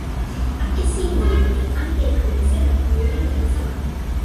akesi ni li ken ante e kule selo li len e ona sama.